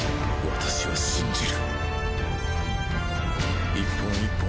私は信じる！